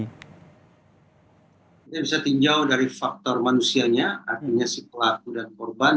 kita bisa tinjau dari faktor manusianya artinya si pelaku dan korban